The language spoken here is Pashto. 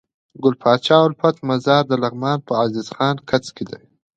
ګل پاچا الفت مزار دلغمان په عزيز خان کځ کي